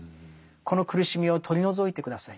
この苦しみを取り除いて下さい。